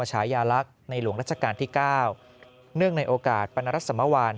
ชายาลักษณ์ในหลวงรัชกาลที่๙เนื่องในโอกาสปรณรัฐสมวาน